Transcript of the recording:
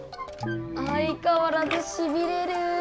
あいかわらずしびれる。